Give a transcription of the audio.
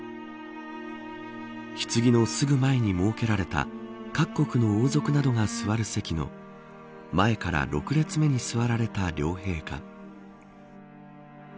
ひつぎのすぐ前に設けられた各国の王族などが座る席の前から６列目に座られた両陛下。